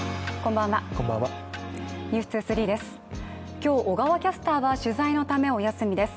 今日、小川キャスターは取材のためお休みです。